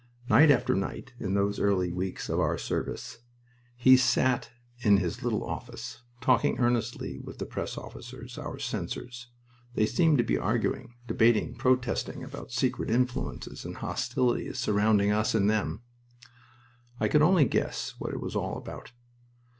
Night after night, in those early weeks of our service, he sat in his little office, talking earnestly with the press officers our censors. They seemed to be arguing, debating, protesting, about secret influences and hostilities surrounding us and them. I could only guess what it was all about.